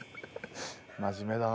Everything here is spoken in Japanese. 真面目だな。